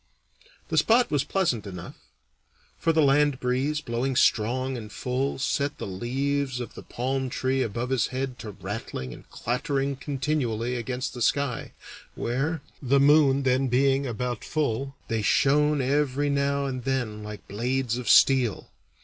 The spot was pleasant enough; for the land breeze, blowing strong and full, set the leaves of the palm tree above his head to rattling and clattering continually against the sky, where, the moon then being about full, they shone every now and then like blades of steel.